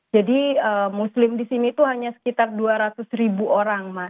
jadi muslim di sini tuh hanya sekitar dua ratus ribu orang mas